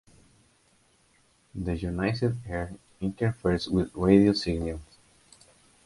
The ionized air interferes with radio signals.